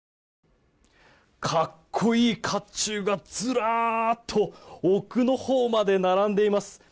かっこいい甲冑がずらっと奥のほうまで並んでいます。